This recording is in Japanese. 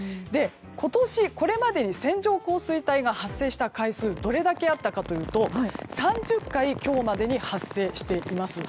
今年これまでに線状降水帯が発生した回数どれだけあったかというと今日までに３０回発生しています。